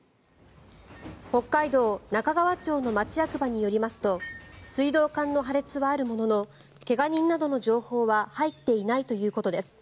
北海道中川町の町役場によりますと水道管の破裂はあるものの怪我人などの情報は入っていないということです。